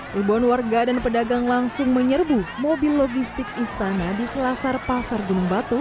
ribuan warga dan pedagang langsung menyerbu mobil logistik istana di selasar pasar gunung batu